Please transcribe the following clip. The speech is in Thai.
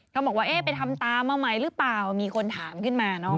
บอกว่าเอ๊ะไปทำตามมาใหม่หรือเปล่ามีคนถามขึ้นมาเนาะ